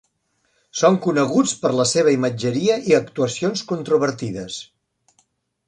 Són coneguts per la seva imatgeria i actuacions controvertides.